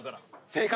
正解！